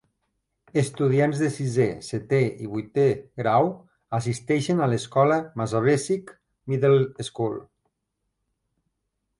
Estudiants de sisè, setè i vuitè grau assisteixen a l'escola Massabesic Middle School.